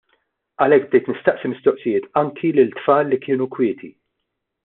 Għalhekk, bdejt nistaqsi mistoqsijiet anki lil tfal li kienu kwieti.